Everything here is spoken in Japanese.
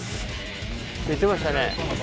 言ってましたね。